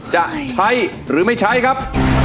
จะใช้หรือไม่ใช้ครับ